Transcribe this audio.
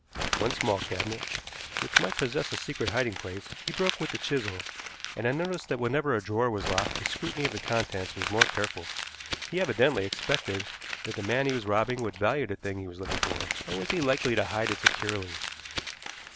One small cabinet, which might possess a secret hiding place, he broke with the chisel, and I noticed that whenever a drawer was locked his scrutiny of the contents was more careful. He evidently expected that the man he was robbing would value the thing he was looking for, and would be likely to hide it securely.